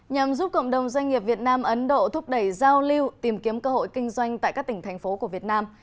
nhằm giúp cộng đồng doanh nghiệp việt nam ấn độ thúc đẩy giao lưu tìm kiếm cơ hội kinh doanh tại các tỉnh thành phố của việt nam